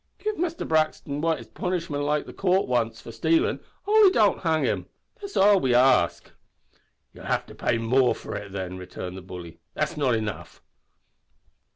Give Muster Brixton what punishment the coort likes for stailin' only don't hang him. That's all we ask." "You'll have to pay more for it then," returned the bully. "That's not enough."